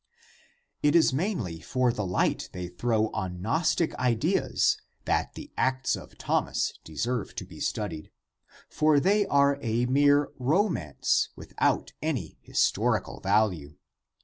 It is mainly for the light they throw on Gnostic ideas that the Acts of Thomas deserve to be studied ; for they are a mere romance without any historic value.